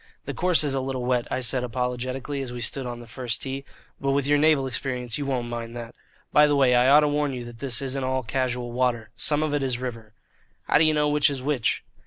"The course is a little wet," I said apologetically, as we stood on the first tee, "but with your naval experience you won't mind that. By the way, I ought to warn you that this isn't all casual water. Some of it is river." "How do you know which is which?"